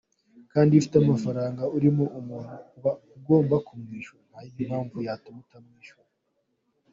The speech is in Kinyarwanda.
Kandi iyo ufite amafaranga urimo umuntu uba ugomba kuyamwishyura, nta yindi mpamvu yatumye tumwishyura.